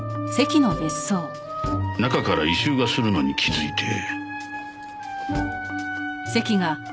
中から異臭がするのに気づいて。